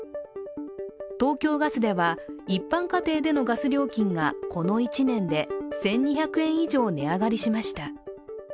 東京ガスでは、一般家庭でのガス料金が、この１年で１２００円以上値上がりしました。